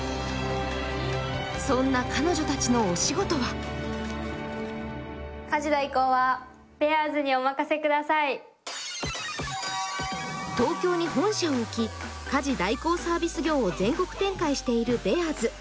そんな彼女たちのお仕事は東京に本社を置き、家事代行サービス業を全国展開しているベアーズ。